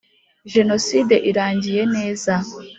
jenoside irangiye neza,